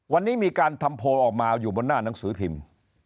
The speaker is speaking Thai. วันนี้มีการทำโพลออกมาอยู่บนหน้าหนังสือพิมพ์